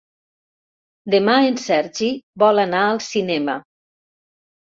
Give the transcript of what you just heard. Demà en Sergi vol anar al cinema.